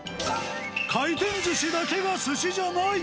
回転ずしだけがすしじゃない！